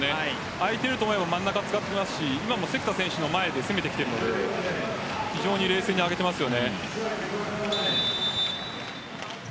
空いていると思えば真ん中を使っていますし今も関田選手の前を攻めてきているので冷静に上げています。